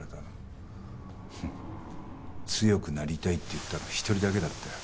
「強くなりたい」って言ったの１人だけだったよ。